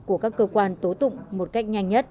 của các cơ quan tố tụng một cách nhanh nhất